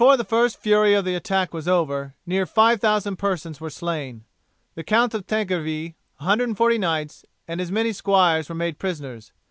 Before the first fury of the attack was over near 5000 persons were slain. The Count of Tankerville, 140 knights, and as many squires were made prisoners.